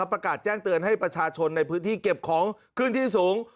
ประกาศแจ้งเตือนให้ประชาชนในพื้นที่เก็บของขึ้นที่สูง